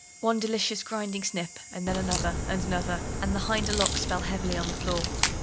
One delicious grinding snip, and then another and another, and the hinder locks fell heavily on the floor.